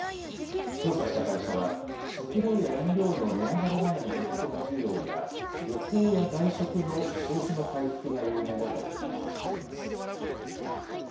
調査した会社は、食料や飲料の値上がり前の駆け込み需要や、旅行や外食の消費の回復が要因だと分析しています。